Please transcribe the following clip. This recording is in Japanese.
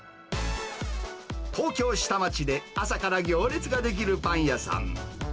東京下町で朝から行列が出来るパン屋さん。